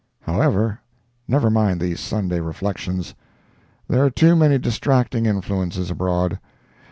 ) However, never mind these Sunday reflections—there are too many distracting influences abroad.